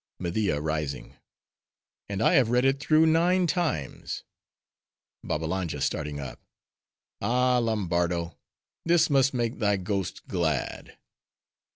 MEDIA (rising)—And I have read it through nine times. BABBALANJA (starting up)—Ah, Lombardo! this must make thy ghost glad!